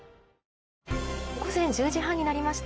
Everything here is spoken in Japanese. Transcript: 午前１０時半になりました。